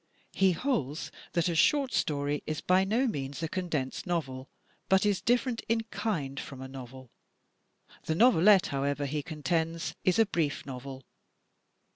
He holds that a short story is by no means a condensed novel, but is dif ferent in kind from a novel. The novelette, however, he contends is a brief novel.